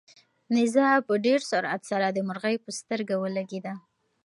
تیږه په ډېر سرعت سره د مرغۍ په سترګه ولګېده.